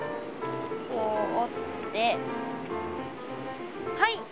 こう折ってはい。